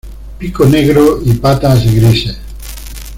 Pico negro y patas grises.